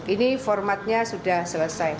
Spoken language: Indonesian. ini formatnya sudah selesai